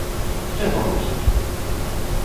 Bien volontiers.